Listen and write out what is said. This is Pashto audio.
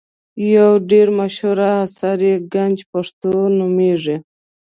یو ډېر مشهور اثر یې ګنج پښتو نومیږي.